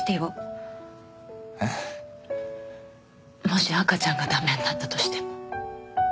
もし赤ちゃんが駄目になったとしても。